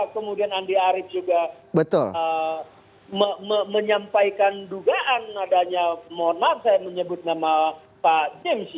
kemudian andi arief juga menyampaikan dugaan adanya mohon maaf saya menyebut nama pak james